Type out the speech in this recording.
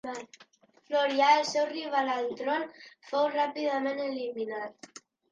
Florià, el seu rival al tron, fou ràpidament eliminat.